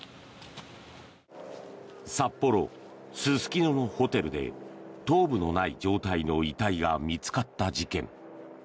札幌・すすきののホテルで頭部のない状態の遺体が見つかった事件。